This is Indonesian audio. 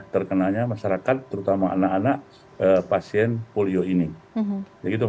terkenanya masyarakat terutama anak anak pasien polio ini